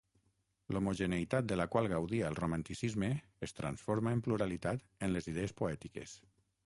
L'homogeneïtat de la qual gaudia el Romanticisme es transforma en pluralitat en les idees poètiques.